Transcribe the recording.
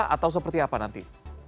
atau seperti apa nanti